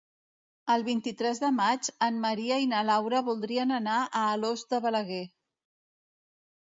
El vint-i-tres de maig en Maria i na Laura voldrien anar a Alòs de Balaguer.